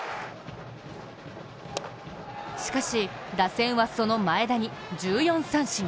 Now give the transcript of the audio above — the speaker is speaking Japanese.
しかし、打線はその前田に１４三振。